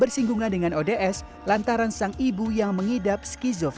bersinggungan dengan ods lantaran sang ibu yang mengidap skizof